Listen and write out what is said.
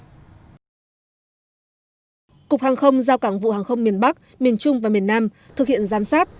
cục hàng không giao cảng vụ hàng không miền bắc miền trung và miền nam thực hiện giám sát